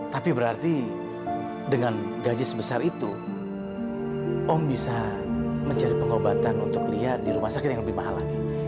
tapi berarti dengan gaji sebesar itu om bisa mencari pengobatan untuk lihat di rumah sakit yang lebih mahal lagi